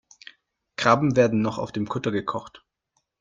Krabben werden noch auf dem Kutter gekocht.